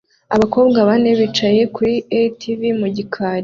Abakobwa bane bicaye kuri ATV mu gikari